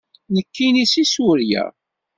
Nekkini seg Surya.